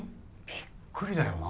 びっくりだよな。